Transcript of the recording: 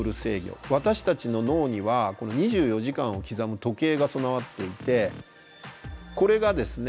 私たちの脳には２４時間を刻む時計が備わっていてこれがですね